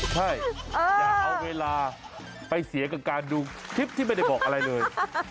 ใช่อย่าเอาเวลาไปเสียกับการดูคลิปที่ไม่ได้บอกอะไรเลย